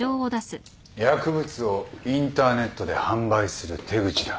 薬物をインターネットで販売する手口だ。